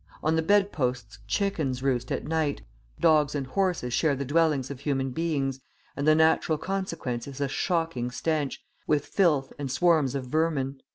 On the bed posts chickens roost at night, dogs and horses share the dwellings of human beings, and the natural consequence is a shocking stench, with filth and swarms of vermin.